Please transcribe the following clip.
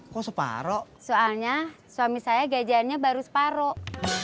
kok separoh soalnya suami saya gajahnya baru separoh